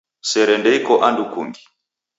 Sere ndeiko andu kungi.